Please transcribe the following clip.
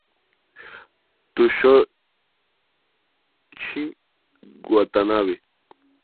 Tsuyoshi Watanabe